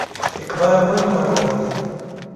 اقبال ولې مرور دی ؟